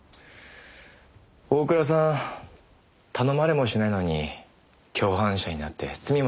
大倉さん頼まれもしないのに共犯者になって罪まで被って。